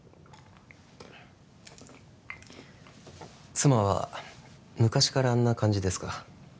妻は昔からあんな感じですか？